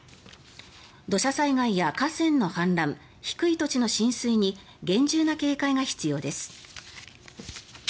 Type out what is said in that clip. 土砂災害や河川の氾濫低い土地の浸水に厳重な警戒が必要です。